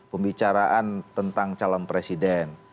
pembicaraan tentang calon presiden